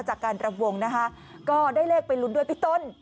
จากการระวงนะฮะก็ได้เลขไปลุ้นด้วยปิตน